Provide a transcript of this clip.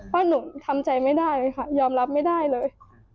เพราะหนูทำใจไม่ได้เลยค่ะยอมรับไม่ได้เลย